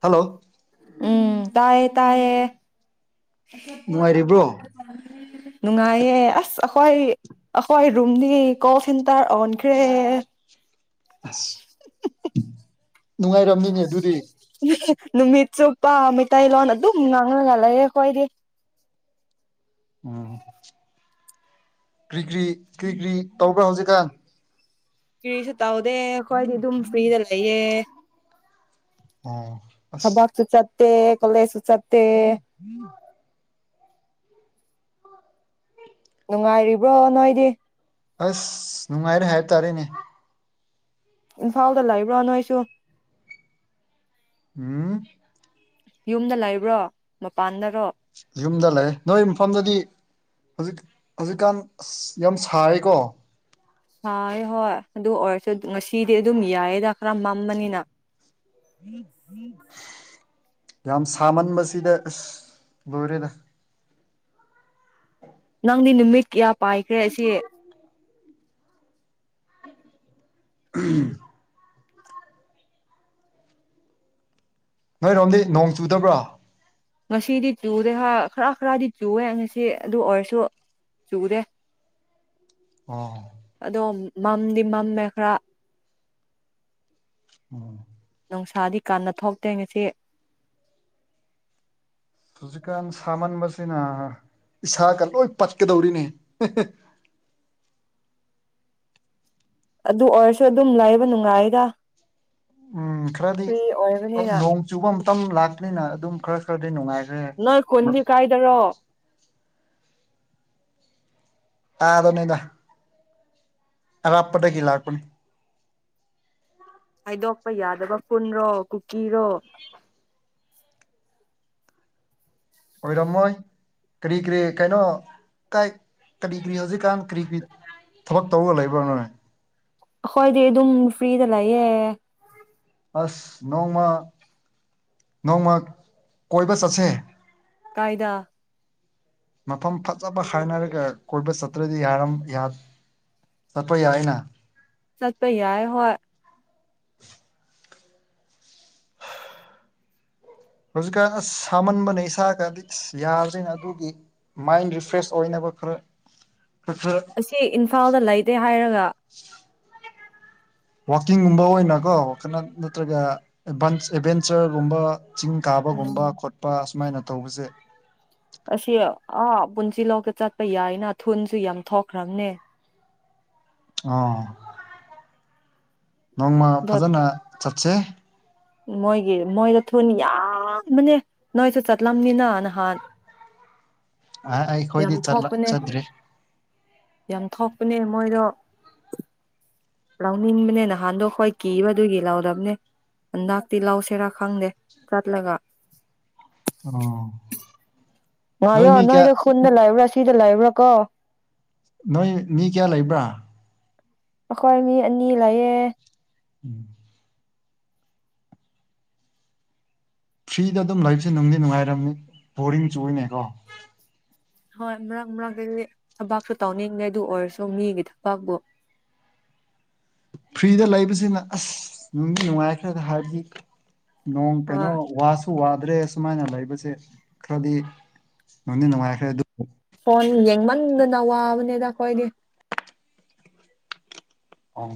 hello ꯎꯝ ꯇꯥꯏꯌꯦ ꯇꯥꯏꯌꯦ ꯑꯆꯥꯄꯣꯠ ꯅꯨꯡꯉꯥꯏꯔꯤꯕ꯭ꯔꯣ ꯑꯍꯥꯎꯕ [inaudible] ꯅꯨꯡꯉꯥꯏꯌꯦ ꯑꯁ ꯑꯈꯣꯏ ꯑꯈꯣꯏ ꯔꯨꯝꯗꯤ ꯀꯣꯜ ꯁꯦꯟꯇꯔ ꯑꯣꯟꯈ꯭ꯔꯦ ꯑꯁ ꯅꯨꯡꯉꯥꯏꯔꯝꯅꯤꯅꯦ ꯗꯨꯗꯤ [unintelligible] ꯅꯨꯃꯤꯠ ꯆꯨꯞꯄ ꯃꯩꯇꯩꯂꯣꯟ ꯑꯗꯨꯝ ꯉꯥꯡꯉꯒ ꯂꯩꯌꯦ ꯈꯣꯏꯗꯤ ꯎꯝ ꯀ꯭ꯔꯤ ꯀ꯭ꯔꯤ ꯀ꯭ꯔꯤ ꯀ꯭ꯔꯤ ꯇꯧꯕ꯭ꯔꯥ ꯍꯧꯖꯤꯛꯀꯥꯟ ꯀ꯭ꯔꯤꯁꯨ ꯇꯥꯎꯗꯦ ꯈꯣꯏꯗꯤ ꯗꯨꯝ ꯐ꯭ꯔꯤꯗ ꯂꯩꯌꯦ ꯑꯣ ꯑꯁ ꯊꯕꯥꯛꯆꯨ ꯆꯠꯇꯦ ꯀꯣꯂꯦꯖꯁꯨ ꯆꯠꯇꯦ [inaudible] ꯅꯨꯡꯉꯥꯏꯔꯤꯕꯣ ꯅꯣꯏꯗꯤ ꯑꯁ ꯅꯨꯡꯉꯥꯏꯔꯦ ꯍꯥꯏ ꯇꯥꯔꯦꯅꯦ ꯏꯝꯐꯥꯜꯗ ꯂꯩꯕ꯭ꯔꯣ ꯅꯣꯏꯁꯨ [unintelligible] ꯌꯨꯝꯗ ꯂꯩꯕ꯭ꯔꯣ ꯃꯄꯥꯟꯗꯔꯣ ꯌꯨꯝꯗ ꯂꯩꯌꯦ ꯅꯣꯏ ꯃꯐꯝꯗꯗꯤ ꯍꯧꯖꯤꯛ ꯍꯧꯖꯤꯛꯀꯥꯟ ꯑꯁ ꯌꯥꯝ ꯁꯥꯔꯦꯀꯣ ꯁꯥꯏꯌꯦ ꯍꯣꯏ ꯑꯗꯨ ꯑꯣꯏꯔꯁꯨ ꯉꯁꯤꯗꯤ ꯑꯗꯨꯝ ꯌꯥꯏꯌꯦꯗ ꯈ꯭ꯔ ꯃꯝꯕꯅꯤꯅ [inaudible] ꯌꯥꯝ ꯁꯥꯃꯟꯕꯁꯤꯗ ꯑꯁ ꯂꯣꯏꯔꯦꯗ ꯅꯪꯗꯤ ꯅꯨꯃꯤꯠ ꯀꯌꯥ ꯄꯥꯏꯈ꯭ꯔꯦ ꯑꯁꯤ [unintelligible] ꯅꯣꯏꯔꯣꯝꯗꯤ ꯅꯣꯡ ꯆꯨꯗꯕ꯭ꯔꯥ ꯉꯁꯤꯗꯤ ꯇꯨꯗꯦ ꯍ ꯈ꯭ꯔ ꯈ꯭ꯔꯗꯤ ꯆꯨꯋꯦ ꯉꯁꯤ ꯑꯗꯨꯑꯣꯏꯔꯁꯨ ꯆꯨꯗꯦ ꯑꯣ ꯑꯗꯣ ꯃꯝꯗꯤ ꯃꯝꯃꯦ ꯈ꯭ꯔ ꯑꯣ ꯅꯨꯡꯁꯥꯗꯤ ꯀꯥꯟꯅ ꯊꯣꯛꯇꯦ ꯉꯁꯤ ꯍꯧꯖꯤꯛꯀꯥꯟ ꯁꯥꯃꯟꯕꯁꯤꯅ ꯏꯁꯥꯒ ꯂꯣꯏ ꯄꯠꯀꯗꯧꯔꯤꯅꯤ ꯑꯗꯨ ꯑꯣꯏꯔꯁꯨ ꯑꯗꯨꯝ ꯂꯩꯕ ꯅꯨꯡꯉꯥꯏꯗ ꯎꯝ ꯈꯔꯗꯤ ꯐ꯭ꯔꯤ ꯑꯣꯏꯕꯅꯤꯅ ꯅꯣꯡ ꯆꯨꯕ ꯃꯇꯝ ꯂꯥꯛꯄꯅꯤꯅ ꯑꯗꯨꯝ ꯈꯔ ꯈꯔꯗꯤ ꯅꯨꯡꯉꯥꯏꯈ꯭ꯔꯦ ꯅꯣꯏ ꯈꯨꯟꯗꯤ ꯀꯥꯏꯗꯔꯣ ꯑ ꯑꯗꯨꯅꯤꯗ ꯑꯔꯥꯞꯄꯗꯒꯤ ꯂꯥꯛꯄꯅꯤ ꯍꯥꯏꯗꯣꯛꯄ ꯌꯥꯗꯕ ꯄꯨꯜꯔꯣ ꯀꯨꯀꯤꯔꯣ ꯑꯣꯏꯔꯝꯃꯣꯏ ꯀꯔꯤ ꯀꯔꯤ ꯀꯩꯅꯣ ꯀꯥꯏ ꯀꯔꯤ ꯀꯔꯤ ꯍꯧꯖꯤꯛꯀꯥꯟ ꯀꯔꯤ ꯀꯔꯤ ꯊꯕꯛ ꯇꯧꯔ ꯂꯩꯕ꯭ꯔꯥ ꯅꯣꯏ ꯑꯈꯣꯏꯗꯤ ꯑꯗꯨꯝ ꯐ꯭ꯔꯤꯗ ꯂꯩꯌꯦ ꯑꯁ ꯅꯣꯡꯃ ꯅꯣꯡꯃ ꯀꯣꯏꯕ ꯆꯠꯁꯦ ꯀꯥꯏꯗ ꯃꯐꯝ ꯐꯠꯖꯕ ꯍꯥꯏꯅꯔꯒ ꯀꯣꯏꯕ ꯆꯠꯇ꯭ꯔꯗꯤ ꯌꯥꯔꯝ ꯌꯥ ꯆꯠꯄ ꯌꯥꯏꯅ ꯆꯠꯄ ꯌꯥꯏ ꯍꯣꯏ ꯍꯧꯖꯤꯛꯀꯥꯟ ꯑꯁ ꯁꯥꯃꯟꯕꯅ ꯏꯁꯥꯒꯇꯤ ꯌꯥꯗ꯭ꯔꯤꯅ ꯑꯗꯨꯒꯤ ꯃꯥꯏꯟ ꯔꯤꯐ꯭ꯔꯦꯁ ꯑꯣꯏꯅꯕ ꯈꯔ ꯈꯔ ꯈꯔ ꯁꯤ ꯏꯝꯐꯥꯜꯗ ꯂꯩꯇꯦ ꯍꯥꯏꯔꯒ ꯋꯥꯛꯀꯤꯡꯒꯨꯝꯕ ꯑꯣꯏꯅꯀꯣ ꯈꯥꯅ ꯅꯠꯇ꯭ꯔꯒ ꯑꯦꯚꯜ ꯑꯦꯚꯦꯟꯆꯔꯒꯨꯝꯕ ꯆꯤꯡ ꯀꯥꯕꯒꯨꯝꯕ ꯎꯝ ꯈꯣꯠꯄ ꯑꯁꯨꯃꯥꯏꯅ ꯇꯧꯕꯖꯦ ꯑꯁꯤ ꯑꯥ ꯄꯨꯟꯁꯤ ꯂꯧꯛꯇ ꯆꯠꯄ ꯌꯥꯏꯅ ꯊꯨꯟꯁꯨ ꯌꯥꯝ ꯊꯣꯛꯈ꯭ꯔꯝꯅꯦ ꯑꯣ ꯅꯣꯡꯃ ꯑꯗꯣ ꯐꯖꯅ ꯆꯠꯁꯦ ꯃꯣꯏꯒꯤ ꯃꯣꯏꯗ ꯊꯨꯟ ꯌꯥꯝꯕꯅꯦ ꯅꯣꯏꯁꯨ ꯆꯠꯂꯝꯅꯤꯅ ꯅꯍꯥꯟ [unintelligible] ꯌꯥꯝ ꯑꯩꯈꯣꯏꯗꯤ ꯊꯣꯛꯄꯅꯦ ꯆꯠꯇ꯭ꯔꯤ ꯌꯥꯝ ꯊꯣꯛꯄꯅꯦ ꯃꯣꯏꯗꯣ ꯂꯧꯅꯤꯡꯕꯅꯦ ꯅꯍꯥꯟꯗꯣ ꯑꯩꯈꯣꯏ ꯀꯤꯕꯗꯨꯒꯤ ꯂꯧꯗꯝꯅꯦ ꯍꯟꯗꯛꯇꯤ ꯂꯧꯁꯤꯔꯥ ꯈꯪꯗꯦ ꯆꯠꯂꯒ ꯑꯣ ꯅꯣꯏ ꯉꯥꯏꯌꯣ ꯃꯤ ꯀꯌꯥ ꯅꯣꯏꯗꯣ ꯈꯨꯟꯗ ꯂꯩꯕ꯭ꯔꯥ ꯁꯤꯗ ꯂꯩꯕ꯭ꯔꯥ ꯀꯣ ꯅꯣꯏ ꯃꯤ ꯀꯌꯥ ꯂꯩꯕ꯭ꯔꯥ ꯑꯩꯈꯣꯏ ꯃꯤ ꯑꯅꯤ ꯂꯩꯌꯦ ꯎꯝ ꯐ꯭ꯔꯤꯗ ꯑꯗꯨꯝ ꯂꯩꯕꯁꯦ ꯅꯨꯡꯗꯤ ꯅꯨꯡꯉꯥꯏꯔꯝꯅꯤ ꯕꯣꯔꯤꯡ ꯆꯨꯏꯌꯦꯅꯦꯀꯣ ꯍꯣꯏ ꯃꯔꯛ ꯃꯔꯛꯇꯗꯤ ꯊꯕꯛꯁꯨ ꯇꯧꯅꯤꯡꯗꯦ ꯑꯗꯨ ꯑꯣꯏꯔꯁꯨ ꯃꯤꯒꯤ ꯊꯕꯛꯄꯨ ꯐ꯭ꯔꯤꯗ ꯂꯩꯕꯁꯤꯅ ꯑꯁ ꯅꯨꯡꯗꯤ ꯅꯨꯡꯉꯥꯏꯈ꯭ꯔꯦꯗ ꯍꯥꯏꯗꯤ ꯅꯣꯡ ꯍꯣꯏ ꯀꯩꯅꯣ ꯋꯥꯁ ꯋꯥꯗ꯭ꯔꯦ ꯁꯨꯃꯥꯏꯅ ꯂꯩꯕꯁꯦ ꯈ꯭ꯔꯗꯤ ꯅꯨꯡꯗꯤ ꯅꯨꯡꯉꯥꯏꯈ꯭ꯔꯦ ꯑꯗꯨ ꯐꯣꯟ ꯌꯦꯡꯃꯟꯗꯅ ꯋꯥꯕꯅꯦꯗ ꯑꯩꯈꯣꯏꯗꯤ ꯑꯣ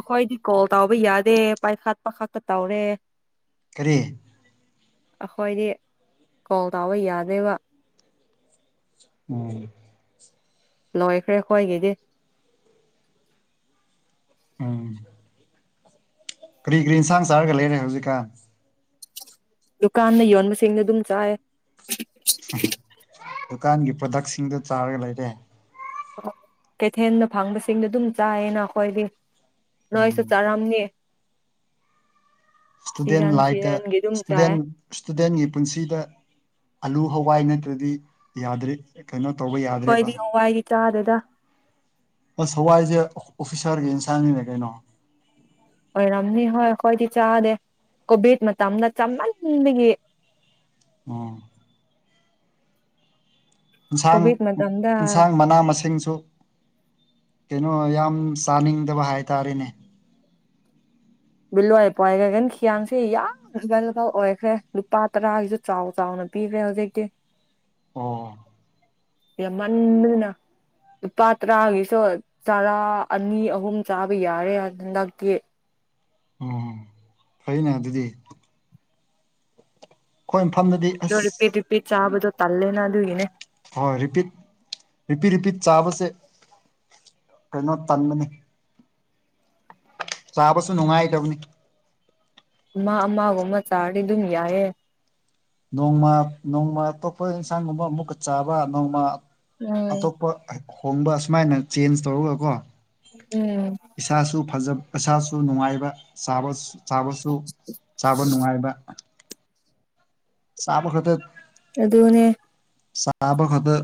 ꯑꯩꯈꯣꯏꯗꯤ ꯀꯣꯜ ꯇꯥꯎꯕ ꯌꯥꯗꯦ ꯄꯥꯏꯈꯠꯄ ꯈꯛꯇ ꯇꯧꯔꯦ ꯀꯔꯤ ꯑꯩꯈꯣꯏꯗꯤ ꯀꯣꯜ ꯇꯧꯕ ꯌꯥꯗꯦꯕ ꯎꯝ ꯂꯣꯏꯈ꯭ꯔꯦ ꯑꯩꯈꯣꯏꯒꯤꯗꯤ ꯎꯝ ꯀꯔꯤ ꯀꯔꯤ ꯏꯟꯁꯥꯡ ꯆꯥꯔꯒ ꯂꯩꯔꯦ ꯍꯧꯖꯤꯛꯀꯥꯟ ꯗꯨꯀꯥꯟꯗ ꯌꯣꯟꯕꯁꯤꯡꯗꯨ ꯑꯗꯨꯝ ꯆꯥꯏ ꯗꯨꯀꯥꯟꯒꯤ ꯄ꯭ꯔꯗꯛꯁꯤꯡꯗꯣ ꯆꯥꯔꯒ ꯂꯩꯔꯦ ꯀꯩꯊꯦꯜꯗ ꯐꯪꯕꯁꯤꯡꯗꯨ ꯑꯗꯨꯝ ꯆꯥꯏꯌꯦꯅ ꯑꯩꯈꯣꯏꯗꯤ ꯅꯣꯏꯁꯨ ꯎꯝ ꯆꯥꯔꯝꯅꯤ ꯏꯁꯇꯨꯗꯦꯟ ꯁꯤꯖꯟ ꯂꯥꯏꯇ ꯁꯤꯖꯟꯒꯤ ꯑꯗꯨꯝ ꯆꯥꯏ ꯏꯁꯇꯨꯗꯦꯟ ꯏꯁꯇꯨꯗꯦꯟꯒꯤ ꯄꯨꯟꯁꯤꯗ ꯑꯂꯨ ꯍꯋꯥꯏ ꯅꯠꯇ꯭ꯔꯗꯤ ꯌꯥꯗ꯭ꯔꯤ ꯀꯩꯅꯣ ꯇꯧꯕ ꯌꯥ ꯑꯩꯈꯣꯏꯗꯤ ꯍꯋꯥꯏꯗꯤ ꯆꯥꯗꯦꯗ ꯑꯁ ꯍꯋꯥꯏꯁꯦ ꯑꯣ ꯑꯣꯐꯤꯁꯥꯔꯒꯤ ꯏꯟꯁꯥꯡꯒꯤꯅꯦ ꯀꯩꯅꯣ ꯑꯣꯏꯔꯝꯅꯤ ꯍꯣꯏ ꯑꯩꯈꯣꯏꯗꯤ ꯆꯥꯗꯦ ꯀꯣꯚꯤꯠ ꯃꯇꯝꯗ ꯆꯃꯟꯕꯒꯤ ꯎꯝ ꯌꯦꯟꯁꯥꯡ ꯀꯣꯚꯤꯠ ꯃꯇꯝꯗ ꯌꯦꯟꯁꯥꯡ ꯃꯅꯥ ꯃꯁꯤꯡꯁꯨ ꯀꯩꯅꯣ ꯌꯥꯝ ꯆꯥꯅꯤꯡꯗꯕ ꯍꯥꯏꯇꯥꯔꯦꯅꯦ ꯕꯤꯜꯂꯋꯥ ꯄꯥꯏꯈꯒꯅꯤ ꯍꯤꯌꯥꯡꯁꯦ ꯌꯥꯝ ꯂꯥꯏ ꯂꯨꯥꯏ ꯑꯣꯏꯈ꯭ꯔꯦ ꯂꯨꯄꯥ ꯇꯔꯥꯒꯤꯁꯨ ꯆꯥꯎ-ꯆꯥꯎꯅ ꯄꯤꯈ꯭ꯔꯦ ꯍꯧꯖꯤꯛꯇꯤ ꯑꯣ ꯌꯥꯝ ꯃꯟꯕꯅ ꯂꯨꯄꯥ ꯇꯔꯥꯒꯤꯁꯨ ꯆꯔꯥ ꯑꯅꯤ ꯑꯍꯨꯝ ꯆꯥꯕ ꯌꯥꯔꯦ ꯍꯟꯗꯛꯇꯤ ꯎꯝ ꯐꯩꯅ ꯑꯗꯨꯗꯤ ꯑꯩꯈꯣꯏ ꯃꯐꯝꯗꯗꯤ ꯑꯗꯣ ꯔꯤꯄꯤꯠ ꯑꯁ ꯔꯤꯄꯤꯠ ꯆꯥꯕꯗꯨ ꯇꯜꯂꯦꯅ ꯑꯗꯨꯒꯤꯅꯦ ꯍꯣꯏ ꯔꯤꯄꯤꯠ ꯔꯤꯄꯤꯠ ꯔꯤꯄꯤꯠ ꯆꯥꯕꯁꯦ ꯀꯩꯅꯣ ꯇꯟꯕꯅꯤ ꯆꯥꯕꯁꯨ ꯅꯨꯡꯉꯥꯏꯗꯕꯅꯤ ꯑꯃꯥ ꯑꯃꯒꯨꯝꯕ ꯆꯥꯔꯗꯤ ꯑꯗꯨꯝ ꯌꯥꯏꯌꯦ ꯅꯣꯡꯃꯥ ꯅꯣꯡꯃ ꯑꯇꯣꯞꯄ ꯏꯟꯁꯥꯡꯒꯨꯝꯕ ꯑꯃꯨꯛꯀ ꯆꯥꯕ ꯅꯣꯡꯃꯥ ꯎꯝ ꯑꯇꯣꯞꯄ ꯍꯣꯡꯕ ꯑꯁꯨꯃꯥꯏꯅ ꯆꯦꯟꯖ ꯇꯧꯔꯒꯀꯣ ꯎꯝ ꯏꯁꯥꯁꯨ ꯐꯖ ꯄꯩꯁꯥꯁꯨ ꯅꯨꯡꯉꯥꯏꯕ ꯆꯥꯕꯁꯨ ꯆꯥꯕꯁꯨ ꯆꯥꯕ ꯅꯨꯡꯉꯥꯏꯕ ꯆꯕ ꯈꯠꯗ ꯑꯗꯨꯅꯦ ꯆꯥꯕꯈꯗ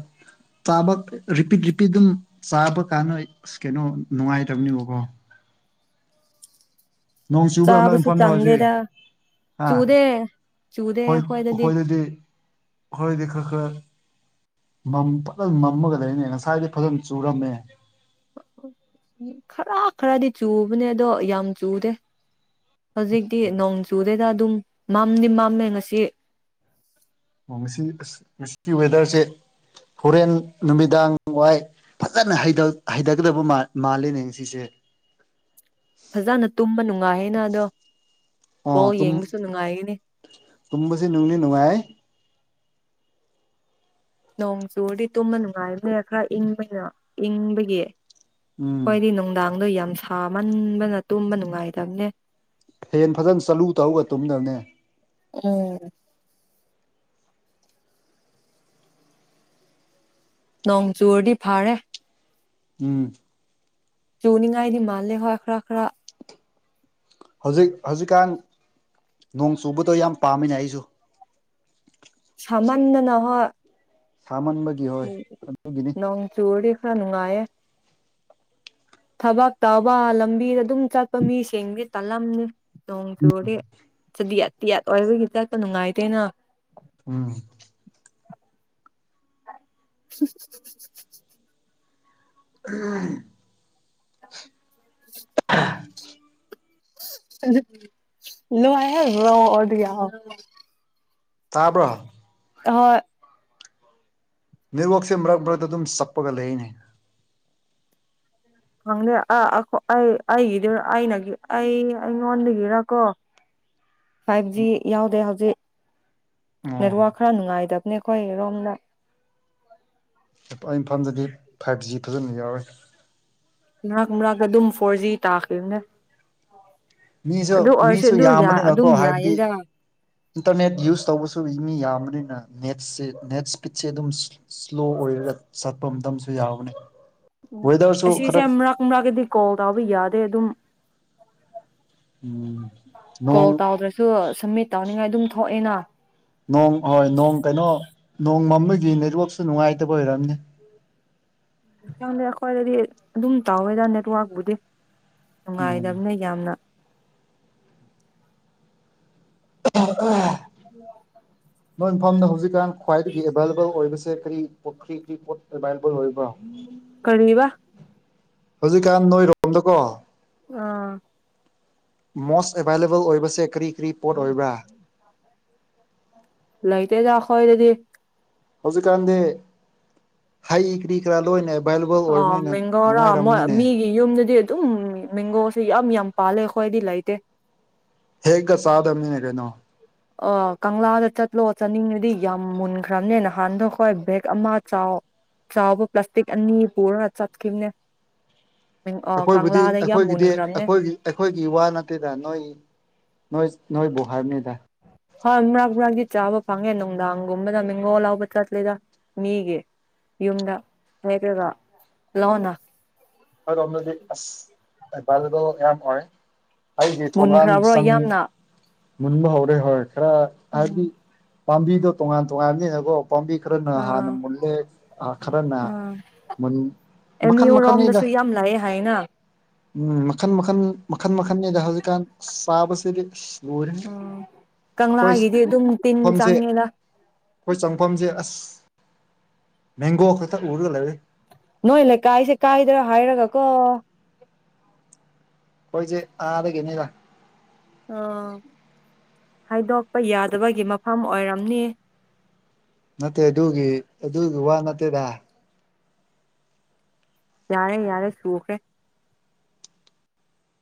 ꯆꯥꯕ ꯔꯤꯄꯤꯠ ꯔꯤꯄꯤꯠ ꯑꯗꯨꯝ ꯆꯥꯕ ꯀꯥꯟꯗ ꯑꯁ ꯀꯩꯅꯣ ꯅꯨꯡꯉꯥꯏꯇꯕꯅꯦꯕꯀꯣ ꯅꯣꯡ ꯆꯨꯕ꯭ꯔꯥ ꯅꯣꯏ ꯆꯥꯕꯁꯨ ꯏꯐꯥꯟꯗ ꯍꯧꯖꯤꯛ ꯆꯪꯗꯦꯗ ꯑ ꯆꯨꯗꯦ ꯍꯣꯏ ꯑꯩꯈꯣꯏꯗꯗꯤ ꯑꯩꯈꯣꯏꯗꯤ ꯈꯔ ꯈꯔ ꯃꯝ ꯐꯖꯅ ꯃꯝꯃꯒ ꯂꯩꯅꯦ ꯉꯁꯥꯏꯗꯤ ꯐꯖꯅ ꯆꯨꯔꯝꯃꯦ ꯎ ꯈꯔ ꯈꯔꯗꯤ ꯆꯨꯕꯅꯦ ꯑꯗꯣ ꯌꯥꯝ ꯆꯨꯗꯦ ꯍꯧꯖꯤꯛꯇꯤ ꯅꯣꯡꯆꯨꯗꯦꯗ ꯑꯗꯨꯝ ꯃꯝꯗꯤ ꯃꯥꯝꯃꯦ ꯉꯁꯤ ꯑꯣ ꯉꯁꯤ ꯑꯁ ꯉꯁꯤꯒꯤ ꯋꯦꯗꯔꯁꯦ ꯍꯣꯔꯦꯟ ꯅꯨꯃꯤꯗꯥꯡ ꯋꯥꯏ ꯐꯖꯅ ꯍꯩꯗ ꯍꯩꯗꯒꯗꯕ ꯃꯥꯜ ꯃꯥꯜꯂꯦꯅꯦ ꯉꯁꯤꯁꯦ ꯐꯖꯅ ꯇꯨꯝꯕ ꯅꯨꯡꯉꯥꯏꯌꯦꯅ ꯑꯗꯣ ꯑꯣ ꯕꯣꯜ ꯇꯨꯝ ꯌꯦꯡꯕꯁꯨ ꯅꯨꯡꯉꯥꯏꯒꯅꯤ ꯇꯨꯝꯕꯁꯤ ꯅꯨꯡꯗꯤ ꯅꯨꯡꯉꯥꯏ ꯅꯣꯡ ꯆꯨꯔꯗꯤ ꯇꯨꯝꯅ ꯅꯨꯡꯉꯥꯏꯕꯅꯦ ꯈꯔ ꯏꯪꯕꯅ ꯏꯪꯕꯒꯤ ꯎꯝ ꯑꯩꯍꯣꯏꯗꯤ ꯅꯨꯡꯗꯥꯡꯗꯣ ꯌꯥꯝ ꯁꯥꯃꯟꯕꯅ ꯇꯨꯝꯕ ꯅꯨꯡꯉꯥꯏꯇꯕꯅꯦ ꯐꯦꯟ ꯐꯖꯅ ꯆꯂꯨ ꯇꯧꯔꯒ ꯇꯨꯝꯗꯕꯅꯦ ꯎꯝ ꯅꯣꯡ ꯆꯨꯔꯗꯤ ꯐꯥꯔꯦ ꯎꯝ ꯆꯅꯤ ꯉꯥꯏꯗꯤ ꯃꯥꯜꯂꯦ ꯍꯣꯏ ꯈꯔ ꯈꯔ ꯍꯧꯖꯤꯛ ꯍꯧꯖꯤꯛꯀꯥꯟ ꯅꯣꯡ ꯆꯨꯕꯗꯣ ꯌꯥꯝ ꯄꯥꯝꯃꯤꯅꯦ ꯑꯩꯁꯨ ꯁꯥꯃꯟꯗꯅ ꯍꯣꯏ ꯁꯃꯝꯕꯒꯤ ꯎ ꯅꯣꯡ ꯆꯨꯔꯗꯤ ꯈ꯭ꯔꯥ ꯅꯨꯉꯥꯏꯌꯦ ꯊꯕꯛ ꯇꯧꯕ ꯂꯝꯕꯤꯗ ꯑꯗꯨꯝ ꯆꯠꯄ ꯃꯤꯁꯤꯡꯗꯤ ꯇꯜꯂꯝꯅꯤ ꯅꯣꯡ ꯆꯨꯔꯗꯤ ꯆꯗꯤꯌꯥꯇꯤꯌꯥꯠ ꯑꯣꯏꯕꯒꯤ ꯆꯥꯛꯄ ꯅꯨꯡꯉꯥꯏꯇꯦꯅ ꯎꯝ [inaudible] [unintelligible] [unintelligible] ꯇꯥꯕ꯭ꯔꯣ ꯍꯣꯏ ꯅꯦꯠꯋꯥꯔꯛꯁꯦ ꯃꯔꯛ ꯃꯔꯛꯇ ꯑꯗꯨꯝ ꯆꯞꯄꯒ ꯂꯩꯌꯦꯅꯦ ꯈꯪꯗꯦ ꯑ ꯑꯩ ꯑꯩꯒꯤꯗꯨ ꯑꯩꯅꯒꯤ ꯑꯩ ꯑꯩꯉꯣꯟꯗꯒꯤꯔꯀꯣ [inaudible] ꯐꯥꯏꯚ ꯖꯤ ꯌꯥꯎꯗꯦ ꯍꯧꯖꯤꯛ ꯑꯣ ꯅꯦꯠꯋꯥꯔꯛ ꯈꯔ ꯅꯨꯡꯉꯥꯏꯇꯕꯅꯦ ꯑꯩꯈꯣꯏ ꯔꯣꯝꯗ ꯑꯥ ꯏꯝꯐꯥꯜꯗꯗꯤ ꯐꯥꯏꯚ ꯖꯤ ꯐꯖꯅ ꯌꯥꯎꯔꯦ ꯃꯔꯛ ꯃꯔꯛꯇ ꯑꯗꯨꯝ ꯐꯣꯔ ꯖꯤ ꯇꯥꯈꯤꯝꯅꯦ ꯃꯤꯁꯨ ꯑꯗꯨ ꯑꯣꯏꯔꯁꯨ ꯃꯤꯁꯨ ꯑꯗꯨ ꯌꯥꯝꯕꯅꯤꯅꯀꯣ ꯑꯗꯨꯝ ꯍꯥꯏꯕꯗꯤ ꯌꯥꯏꯌꯦꯗ ꯏꯟꯇꯔꯅꯦꯠ ꯌꯨꯁ ꯇꯧꯕꯁꯨ ꯃꯤ ꯌꯥꯝꯕꯅꯤꯅ ꯅꯦꯠꯁꯦ ꯅꯦꯠ ꯁ꯭ꯄꯤꯠꯁꯦ ꯑꯗꯨꯝ ꯏꯁꯂꯣ ꯑꯣꯏꯔꯒ ꯆꯠꯄ ꯃꯇꯝꯁꯨ ꯌꯥꯎꯕꯅꯤ ꯋꯦꯗꯔꯁꯨ ꯈꯔ ꯀꯨꯨꯝꯔꯥꯒꯤꯗꯤ ꯀꯣꯜ ꯇꯧꯕ ꯌꯥꯗꯦ ꯑꯗꯨꯝ ꯎꯝ ꯅꯣꯡ ꯀꯣꯜ ꯇꯧꯗ꯭ꯔꯁꯨ ꯁꯝꯃꯤꯠ ꯇꯧꯅꯤꯡꯉꯥꯏ ꯑꯗꯨꯝ ꯊꯣꯛꯑꯦꯅ ꯅꯣꯡ ꯍꯣꯏ ꯅꯣꯡ ꯀꯩꯅꯣ ꯅꯣꯡ ꯃꯪꯕꯒꯤ ꯅꯦꯠꯋꯥꯛꯁꯨ ꯅꯨꯡꯉꯥꯏꯇꯕ ꯑꯣꯏꯔꯝꯅꯤ ꯅꯪꯗꯤ ꯑꯩꯈꯣꯏꯗꯗꯤ ꯑꯗꯨꯝ ꯇꯧꯋꯦꯗ ꯅꯦꯠꯋꯥꯔꯛꯄꯨꯗꯤ ꯎꯝ ꯅꯨꯡꯉꯥꯏꯇꯕꯅ ꯌꯥꯝꯅ ꯑ ꯑ ꯎꯝ [inaudible] [unintelligible] ꯅꯣꯏ ꯃꯐꯝꯗ ꯍꯧꯖꯤꯛꯀꯥꯟ ꯈ꯭ꯋꯥꯏꯗꯒꯤ ꯑꯦꯚꯥꯏꯂꯦꯕꯜ ꯑꯣꯏꯕꯁꯦ ꯀꯔꯤ ꯄꯈ꯭ꯔꯤꯒꯤ ꯄꯣꯥꯠ ꯑꯦꯕꯥꯏꯂꯦꯕꯜ ꯑꯣꯏꯕ꯭ꯔ ꯀꯔꯤꯕ ꯍꯧꯖꯤꯛꯀꯥꯟ ꯅꯣꯏꯔꯣꯝꯗꯀꯣ ꯑꯥ ꯃꯣꯁ ꯑꯦꯕꯥꯏꯂꯦꯕꯜ ꯑꯣꯏꯕꯁꯦ ꯀꯔꯤ ꯀꯔꯤ ꯄꯣꯠ ꯑꯣꯏꯕ꯭ꯔꯥ ꯑ [inaudible] ꯂꯩꯇꯦꯗ ꯈꯣꯏꯗꯗꯤ ꯍꯧꯖꯤꯛꯀꯥꯟꯗꯤ ꯍꯩ ꯀꯔꯤ ꯀꯔꯥ ꯂꯣꯏꯅ ꯑꯦꯕꯥꯏꯂꯦꯕꯜ ꯑꯣ ꯑꯣꯏꯕꯅꯤꯅ ꯃꯦꯡꯒꯣꯔ ꯅꯨꯡꯉꯥꯏꯔꯝꯅꯤꯅꯦ ꯃꯤꯒꯤ ꯌꯨꯝꯗꯗꯤ ꯑꯗꯨꯝ ꯃꯦꯡꯒꯣꯁꯦ ꯌꯥꯝ ꯌꯥꯝ ꯄꯥꯜꯂꯦ ꯑꯩꯈꯣꯏꯗꯤ ꯂꯩꯇꯦ ꯍꯦꯑꯒ ꯆꯥꯗꯕꯅꯤ ꯀꯩꯅꯣ ꯑ ꯀꯪꯂꯥꯗ ꯆꯠꯂꯣ ꯆꯠꯅꯤꯡꯉꯗꯤ ꯌꯥꯝ ꯃꯨꯟꯈ꯭ꯔꯕꯅꯦ ꯅꯍꯥꯟꯗꯣ ꯑꯩꯈꯣꯏ ꯕꯦꯛ ꯑꯃ ꯆꯥꯎ ꯆꯥꯎꯕ ꯄ꯭ꯂꯥꯁꯇꯤꯛ ꯑꯅꯤ ꯄꯨꯔꯒ ꯆꯠꯈꯤꯕꯅꯦ ꯑ ꯑꯩꯈꯣꯏꯕꯨꯗꯤ ꯀꯪꯂꯥꯗ ꯌꯥꯝ ꯑꯩꯈꯣꯏꯒꯤꯗꯤ ꯃꯨꯟꯈ꯭ꯔꯕꯅꯦ ꯑꯩꯈꯣꯏꯒꯤ ꯑꯩꯈꯣꯏꯒꯤ ꯋꯥ ꯅꯠꯇꯦꯗ ꯅꯣꯏ ꯅꯣꯏ ꯅꯣꯏꯕꯨ ꯍꯥꯏꯕꯅꯤꯗ ꯍꯣꯏ ꯃꯔꯛ ꯃꯔꯛꯗꯤ ꯆꯥꯕ ꯐꯪꯉꯦ ꯅꯨꯡꯗꯥꯡꯒꯨꯝꯕꯗ ꯃꯦꯡꯒꯣ ꯂꯥꯎꯕ ꯆꯠꯂꯤꯗ ꯃꯤꯒꯤ ꯌꯨꯝꯗ ꯃꯦꯠꯂꯒ ꯂꯣꯟꯅ ꯑꯩꯈꯣꯏꯔꯣꯝꯗꯗꯤ ꯑꯁ ꯑꯦꯚꯥꯏꯂꯦꯕꯜ ꯌꯥꯝ ꯑꯣꯏꯔꯦ ꯑꯩꯒꯤ ꯊꯣꯡꯒꯥꯡ ꯃꯨꯟꯈ꯭ꯔꯕ꯭ꯔꯣ ꯆꯪ ꯌꯥꯝꯅ ꯃꯨꯟꯕ ꯍꯧꯔꯦ ꯍꯣꯏ ꯈꯔ ꯍꯥꯏꯕꯗꯤ ꯄꯥꯝꯕꯤꯗꯣ ꯇꯣꯉꯥꯟ ꯇꯣꯉꯥꯟꯕꯅꯤꯅꯀꯣ ꯄꯥꯝꯕꯤ ꯈꯔꯅ ꯍꯥꯟꯅ ꯑꯥ ꯃꯨꯟꯂꯦ ꯈꯔꯅ ꯃꯨꯟ ꯃꯈꯟ ꯑꯦꯝꯌꯨ ꯃꯈꯟꯅꯤꯗ ꯔꯣꯝꯗꯁꯨ ꯌꯥꯝ ꯂꯥꯛꯑꯦ ꯍꯥꯏꯌꯦꯅ ꯎꯝ ꯃꯈꯜ ꯃꯈꯜ ꯃꯈꯟ ꯃꯈꯟꯅꯤꯗ ꯍꯧꯖꯤꯛꯀꯥꯟ ꯆꯥꯕꯁꯤꯗꯤ ꯂꯣꯏꯔꯦ ꯎꯝ ꯑꯩꯈꯣꯏ ꯀꯪꯂꯥꯒꯤꯗꯤ ꯑꯗꯨꯝ ꯇꯤꯟ ꯃꯐꯝꯁꯦ ꯆꯪꯉꯦꯗ ꯑꯩꯈꯣꯏ ꯆꯪꯐꯝꯁꯦ ꯑꯁ ꯃꯦꯡꯒꯣ ꯈꯛꯇ ꯎꯔꯒ ꯂꯩꯔꯦ ꯅꯣꯏ ꯂꯩꯀꯥꯏꯁꯦ ꯀꯥꯏꯗ꯭ꯔꯥ ꯍꯥꯏꯔꯒ ꯀꯣ ꯈꯣꯏꯁꯦ ꯑꯥꯗꯒꯤꯗ ꯑꯣ ꯍꯥꯏꯗꯣꯛꯄ ꯌꯥꯗꯕꯒꯤ ꯃꯐꯝ ꯑꯣꯏꯔꯝꯅꯤ ꯅꯠꯇꯦ ꯑꯗꯨꯒꯤ ꯑꯗꯨꯒꯤ ꯋꯥ ꯅꯠꯇꯦꯗ ꯌꯥꯔꯦ ꯌꯥꯔꯦ ꯁꯨꯈꯔꯦ